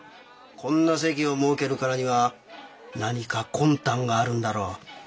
こんな席を設けるからには何か魂胆があるんだろう。